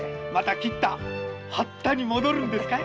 “切ったはった”に戻るんですか？